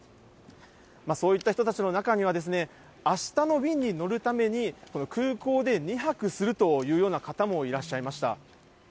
そういった人たちの中には、あしたの便に乗るために、空港で２泊するというような方もいらっしゃいました。